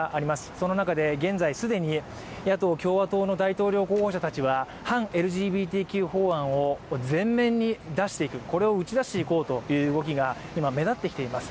その中で現在既に野党・共和党の大統領候補者たちは反ＬＧＢＴＱ法案を前面に出していくこれを打ち出していこうという動きが今、目立ってきています。